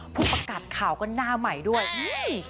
ผู้ประกาศข่าวก็หน้าใหม่ด้วยอุ้ย